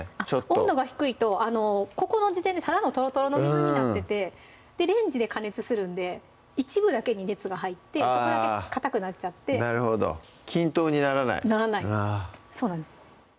温度が低いとここの時点でただのとろとろの水になっててレンジで加熱するんで一部だけに熱が入ってそこだけかたくなっちゃってなるほど均等にならない？ならないそうなんです